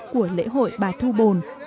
của lễ hội bà thu bồn